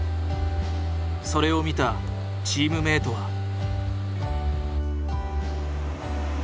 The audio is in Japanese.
それを見たチームメートは。